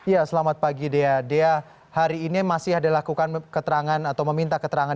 ya selamat pagi dya dya hari ini masih ada lakukan keterangan atau meminta keterangan